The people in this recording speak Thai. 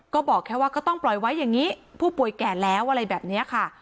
ก็บอกแค่ว่าก็ต้องปล่อยไว้อย่างนี้ผู้ป่วยแก่แล้วอะไรแบบนี้ค่ะ